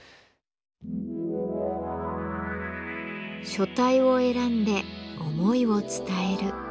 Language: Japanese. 書体を選んで思いを伝える。